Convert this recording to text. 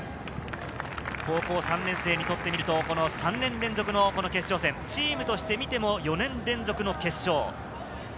高校３年生にとってみると３年連続の決勝戦、チームとして見ても４年連続の決勝。